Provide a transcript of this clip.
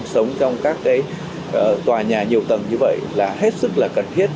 sống trong các cái tòa nhà nhiều tầng như vậy là hết sức là cần thiết